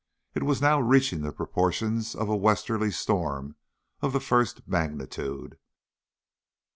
It was now reaching the proportions of a westerly storm of the first magnitude.